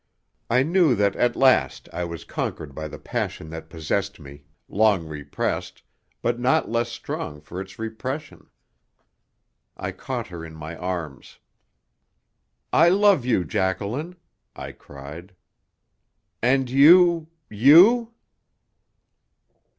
I knew that at last I was conquered by the passion that possessed me, long repressed, but not less strong for its repression. I caught her in my arms. "I love you, Jacqueline!" I cried. "And you you?"